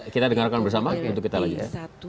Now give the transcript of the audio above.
kita dengarkan bersama untuk kita lagi ya